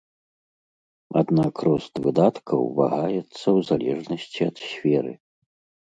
Аднак рост выдаткаў вагаецца ў залежнасці ад сферы.